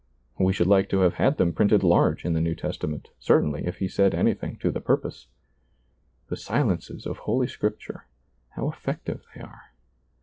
We should like to have had them printed large in the New Testament, certainly if he said anything to the purpose. The silences of Holy Scripture, how effective they are